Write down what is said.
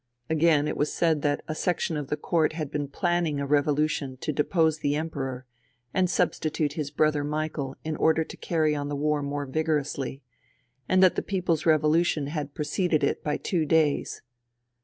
Again, it was said that a section of the court had been planning a revolution to depose the Emperor and substitute his brother Michael in order to carry on the war more vigorously ; and that the people's revolution had preceded it by two days.